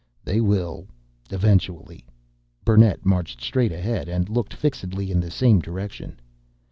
"They will eventually." Burnett marched straight ahead and looked fixedly in the same direction.